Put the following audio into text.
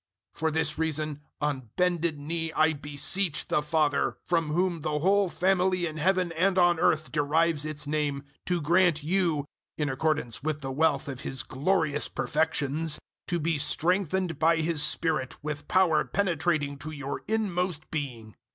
003:014 For this reason, on bended knee I beseech the Father, 003:015 from whom the whole family in Heaven and on earth derives its name, 003:016 to grant you in accordance with the wealth of His glorious perfections to be strengthened by His Spirit with power penetrating to your inmost being.